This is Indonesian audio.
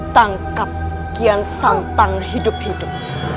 tangkap kian santang hidup hidup